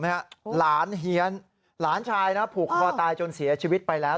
หลานเฮียนหลานชายนะผูกคอตายจนเสียชีวิตไปแล้ว